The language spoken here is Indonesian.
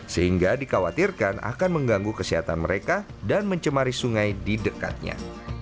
sehingga dikhawatirkan akan mengganggu kesehatan mereka dan mencemari sungai di dekatnya